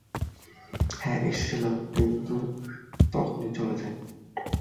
হ্যাঁ, এসেছিল কিন্তু তখনই চলে যায়।